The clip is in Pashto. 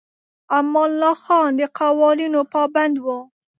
امان الله خان د قوانینو پابند و.